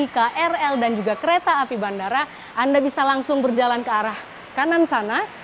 krl dan juga kereta api bandara anda bisa langsung berjalan ke arah kanan sana